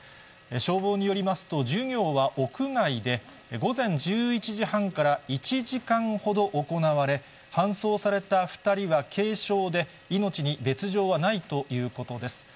消防によりますと、授業は屋外で、午前１１時半から１時間ほど行われ、搬送された２人は軽症で、命に別状はないということです。